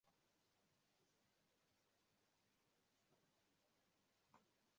Ni tamaduni ambazo kwa karne kadhaa zimerithiwa na kuendelezwa na Wazanzibari